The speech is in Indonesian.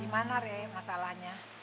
gimana re masalahnya